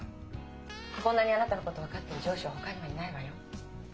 こんなにあなたのこと分かってる上司はほかにはいないわよ。